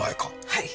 はい。